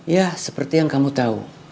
ya seperti yang kamu tahu